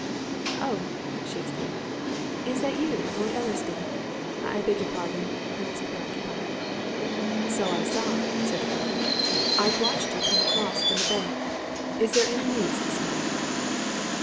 "Oh!" she exclaimed. "Is it you, Lord Ellersdeane? I beg your pardon I was preoccupied." "So I saw," said the Earl. "I'd watched you come across from the Bank. Is there any news this morning?"